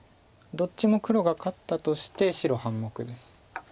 どっちも黒が勝ったとして白半目です。